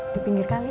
di pinggir kami